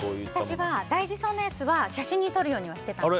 大事そうなやつは写真に撮るようにはしてました。